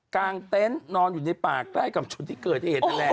กางเต้นนอนอยู่ในปากใกล้กับชุดที่เกิดที่เห็นแรก